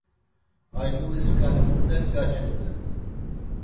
Ayluğiskani mundes gaçoden?